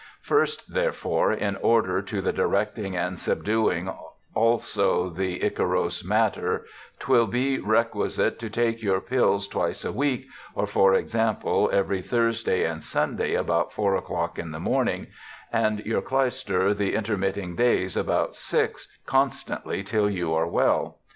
First, therefore, in order to the directing and subdueing also the ichorose matter 'twill be requisite to take your pills twice a weeke or for example every Thursday and Sunday about 4 o'clock in the morning and your clyster the intermitting days about 6, constantly till you are well.